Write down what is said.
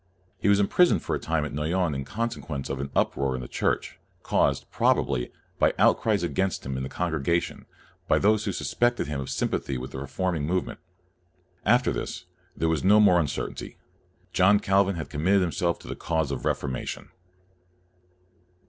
He was imprisoned for a time at Noyon in consequence of an uproar in the Church, caused, probably, by outcries against him in the congregation, by those who sus pected him of sympathy with the reform ing movement. After this, there was no more uncertainty. John Calvin had com mitted himself to the cause of the Refor mation.